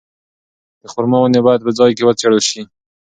د خورما ونې باید په ځای کې وڅېړل شي.